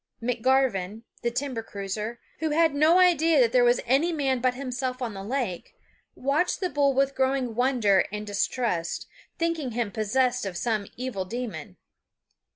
McGarven, the timber cruiser, who had no idea that there was any man but himself on the lake, watched the bull with growing wonder and distrust, thinking him possessed of some evil demon.